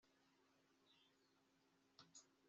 ubwo bemezwaga ibyaha byabo bakarangurura batitugire dute